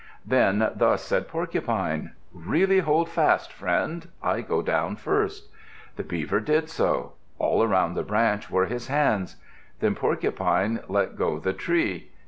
Then thus said Porcupine: "Really hold fast, friend. I go down first." The Beaver did so. All around the branch were his hands. Then Porcupine let go the tree.